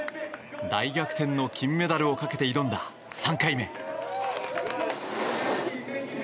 大逆転の金メダルをかけて挑んだ３回目。